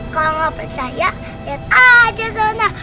kalau gak percaya lihat aja zona